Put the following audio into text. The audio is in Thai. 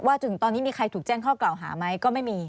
ถึงตอนนี้มีใครถูกแจ้งข้อกล่าวหาไหมก็ไม่มี